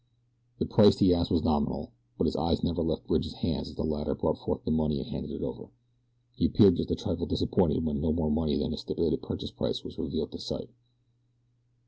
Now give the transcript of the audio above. The price he asked was nominal; but his eyes never left Bridge's hands as the latter brought forth the money and handed it over. He appeared just a trifle disappointed when no more money than the stipulated purchase price was revealed to sight.